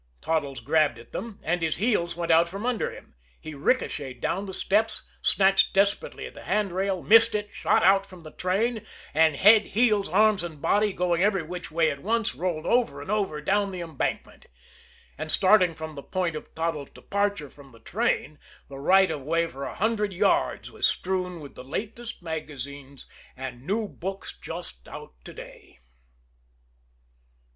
Toddles grabbed at them and his heels went out from under him. He ricochetted down the steps, snatched desperately at the handrail, missed it, shot out from the train, and, head, heels, arms and body going every which way at once, rolled over and over down the embankment. And, starting from the point of Toddles' departure from the train, the right of way for a hundred yards was strewn with "the latest magazines" and "new books just out to day."